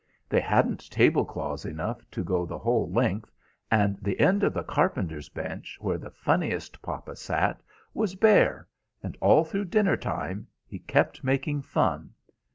They hadn't table cloths enough to go the whole length, and the end of the carpenter's bench, where the funniest papa sat, was bare, and all through dinner time he kept making fun.